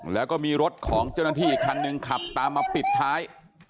แล้วก็มีรถของเจ้าหน้าที่อีกคันหนึ่งขับตามมาปิดท้าย